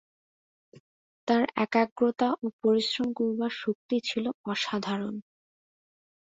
তার একাগ্রতা ও পরিশ্রম করবার শক্তি ছিল অসাধারণ।